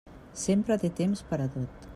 Sempre té temps per a tot.